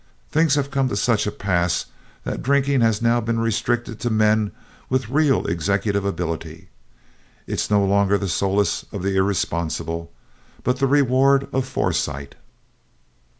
Things have come to such a pass that drinking has now been restricted to men with real executive ability. It is no longer the solace of the irresponsible, but the reward of foresight.